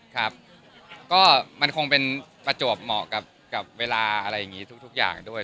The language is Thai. ครับก็มันคงเป็นประจวบเหมาะกับเวลาอะไรอย่างนี้ทุกอย่างด้วย